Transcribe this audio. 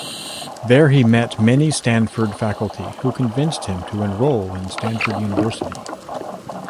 There he met many Stanford faculty, who convinced him to enroll in Stanford University.